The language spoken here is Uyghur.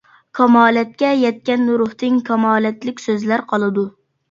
كامالەتكە يەتكەن روھتىن كامالەتلىك سۆزلەر قالىدۇ.